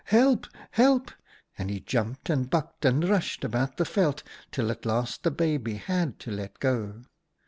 Help! Help!' And he jumped, and bucked, and rushed about the veld, till at last the baby had to let go.